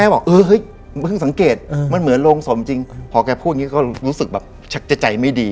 พอแหมกะพูดนี้ก็รู้สึกบางชักจะใจว่าไม่ดี